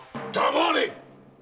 黙れ！